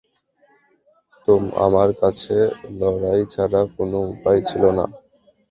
আমার কাছে লড়াই ছাড়া কোনো উপায় ছিলো না।